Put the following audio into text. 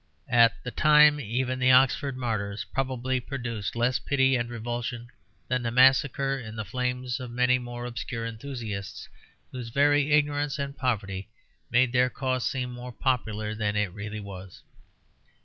At the time even the Oxford Martyrs probably produced less pity and revulsion than the massacre in the flames of many more obscure enthusiasts, whose very ignorance and poverty made their cause seem more popular than it really was.